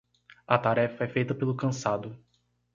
A tarefa é feita pelo cansado.